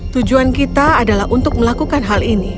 tujuan kita adalah untuk melakukan hal ini